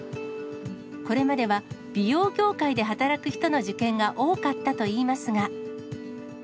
これまでは美容業界で働く人の受験が多かったといいますが。